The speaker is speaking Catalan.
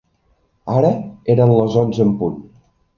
Ara eren les onze en punt.